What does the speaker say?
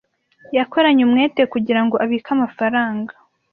Yakoranye umwete kugirango abike amafaranga.